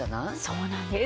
そうなんです！